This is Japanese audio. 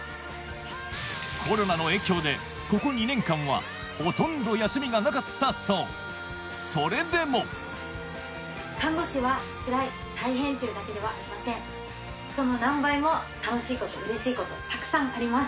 コロナの影響でここ２年間はほとんど休みがなかったそうそれでもうれしいことたくさんあります。